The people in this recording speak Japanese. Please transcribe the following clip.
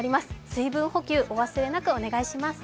水分補給お忘れなくお願いします。